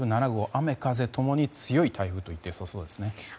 雨風ともに強い台風と言って良さそうですね。